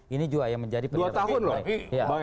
ini juga yang menjadi penyelidikan terakhir